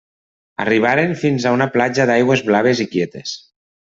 Arribaren fins a una platja d'aigües blaves i quietes.